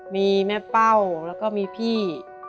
มีแม่เป้าแล้วก็มีพี่